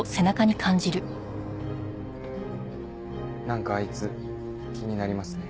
なんかあいつ気になりますね。